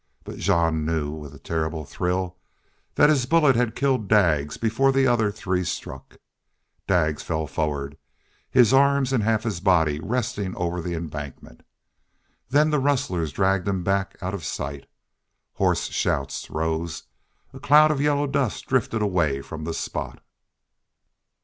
But Jean knew with a terrible thrill that his bullet had killed Daggs before the other three struck. Daggs fell forward, his arms and half his body resting over, the embankment. Then the rustlers dragged him back out of sight. Hoarse shouts rose. A cloud of yellow dust drifted away from the spot.